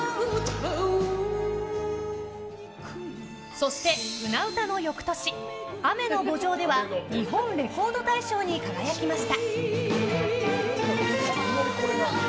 そして、「舟唄」の翌年「雨の慕情」では日本レコード大賞に輝きました。